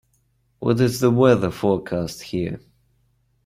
What is the weather forecast here